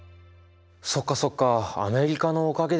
そっかそっかアメリカのおかげでね。